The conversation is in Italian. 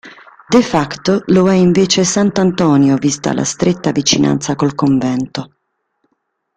De "facto" lo è invece Sant'Antonio, vista la stretta vicinanza col convento.